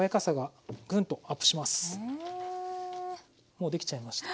もう出来ちゃいました。